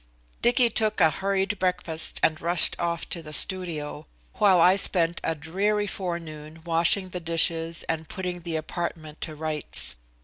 Dicky took a hurried breakfast and rushed off to the studio, while I spent a dreary forenoon washing the dishes and putting the apartment to rights.